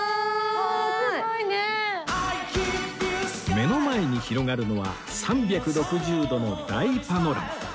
目の前に広がるのは３６０度の大パノラマ